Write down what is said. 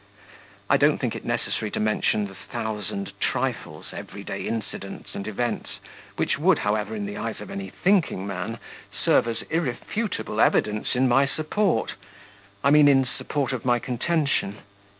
I don't think it necessary to mention the thousand trifles, everyday incidents and events, which would, however, in the eyes of any thinking man, serve as irrefutable evidence in my support I mean, in support of my contention.